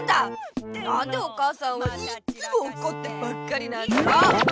なんでお母さんはいっつもおこってばっかりなんだろう？